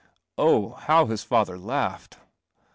Oh, how his father laughed!